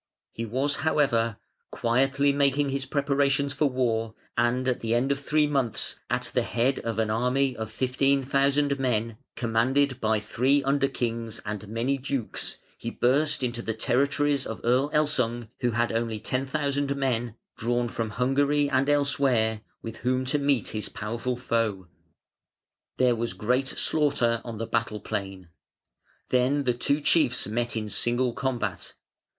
He was, however, quietly making his preparations for war, and at the end of three months, at the head of an army of 15,000 men, commanded by three under kings and many dukes he burst into the territories of Earl Elsung who had only 10,000 men, drawn from Hungary and elsewhere, with whom to meet his powerful foe. There was great slaughter on the battle plain. Then the two chiefs met in single combat.